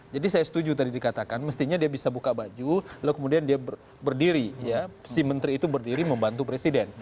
jadi saya setuju tadi dikatakan mestinya dia bisa buka baju lalu kemudian dia berdiri si menteri itu berdiri membantu presiden